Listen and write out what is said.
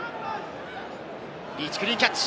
リーチ、クリーンキャッチ。